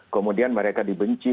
kemudian mereka dibenci